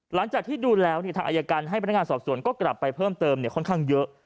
หลังจากที่ดูแล้วทางอายการให้พนักงานสอบสวนก็กลับไปเพิ่มเติมค่อนข้างเยอะ